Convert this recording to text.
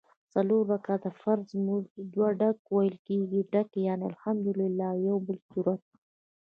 څلور رکعته فرض لمونځ دوه ډک ویل کېږي ډک یعني الحمدوالله او یوبل سورت